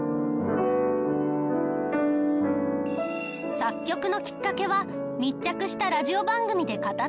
作曲のきっかけは密着したラジオ番組で語っていました。